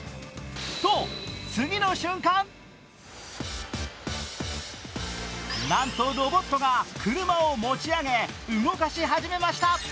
と、次の瞬間なんとロボットが車を持ち上げ動かし始めました。